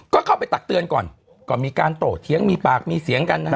ก็เข้าไปตักเตือนก่อนก็มีการโตเถียงมีปากมีเสียงกันนะฮะ